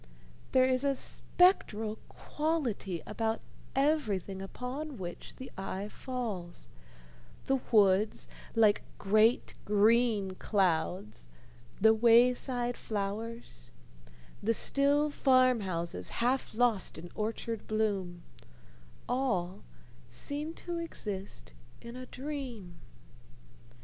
There is a spectral quality about everything upon which the eye falls: the woods, like great green clouds, the wayside flowers, the still farm houses half lost in orchard bloom all seem to exist in a dream.